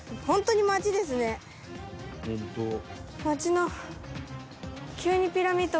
街の。